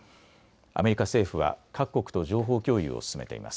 アメリカ政府は各国と情報共有を進めています。